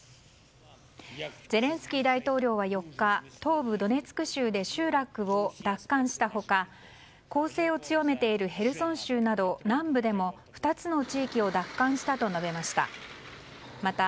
ゼレンスキー大統領は４日東部ドネツク州で集落を奪還した他攻勢を強めているヘルソン州など南部でも２つの地域を奪還したと述べました。